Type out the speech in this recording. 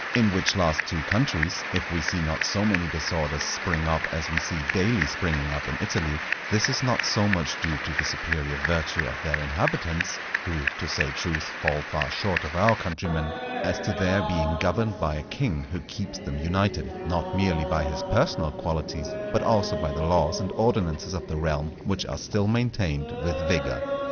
In which last two countries, if we see not so many disorders spring up as we see daily springing up in Italy, this is not so much due to the superior virtue of their inhabitants (who, to say truth, fall far short of our countrymen), as to their being governed by a king who keeps them united, not merely by his personal qualities, but also by the laws and ordinances of the realm which are still maintained with vigour.